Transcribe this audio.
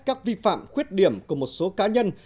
các vi phạm khuyết điểm của một số cá nhân